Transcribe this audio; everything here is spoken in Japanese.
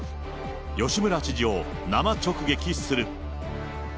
吉村知事を生直撃する。